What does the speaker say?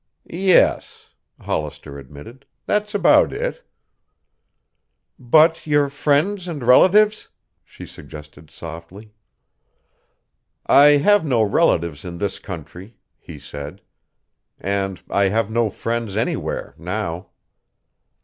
"Yes," Hollister admitted. "That's about it." "But your friends and relatives?" she suggested softly. "I have no relatives in this country," he said. "And I have no friends anywhere, now."